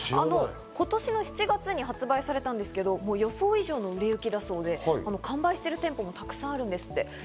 今年の７月に発売されたんですけど、予想以上の売れ行きだそうで、完売している店舗もたくさんあるんですって。